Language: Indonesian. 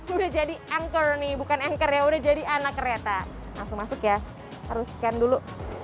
udah jadi anchor nih bukan anchor ya udah jadi anak kereta langsung masuk ya harus scan dulu